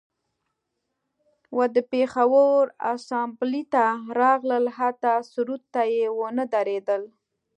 و د پیښور اسامبلۍ ته راغلل حتی سرود ته یې ونه دریدل